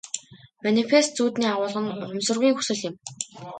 Манифест зүүдний агуулга нь ухамсаргүйн хүсэл юм.